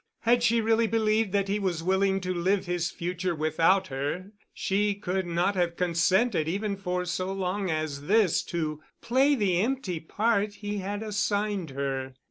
Had she really believed that he was willing to live his future without her, she could not have consented even for so long as this to play the empty part he had assigned her.